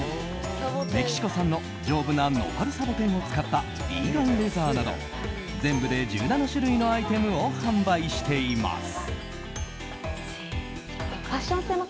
メキシコ産の丈夫なノパルサボテンを使ったビーガンレザーなど全部で１７種類のアイテムを販売しています。